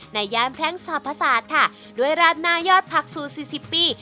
ในย่านแพร่งสาภาษาด้วยร้านนายอดผักซูซีซิปปี